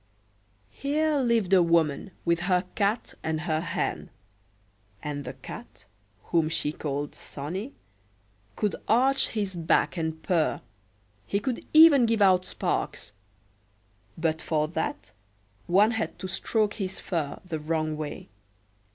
Here lived a woman, with her Cat and her Hen. And the Cat, whom she called Sonnie, could arch his back and purr, he could even give out sparks; but for that one had to stroke his fur the wrong way.